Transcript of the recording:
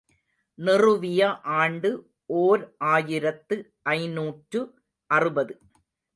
நிறுவிய ஆண்டு ஓர் ஆயிரத்து ஐநூற்று அறுபது.